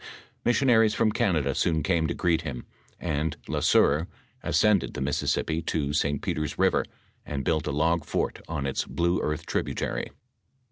f Missionaries from Canada soon came to greet him, and La Sueur ascended the Mississippi to St. Peter's river, and built a l^g fort on its blue earth tributary.